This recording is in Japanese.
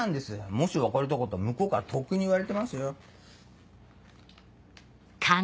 もし別れたかったら向こうからとっくに言われてますよ。